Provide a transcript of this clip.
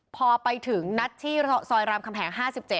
พอไปถึงนัดที่ซอยรามคำแหง๕๗